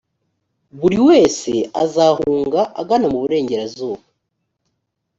buri wese azahunga agana muburengerazuba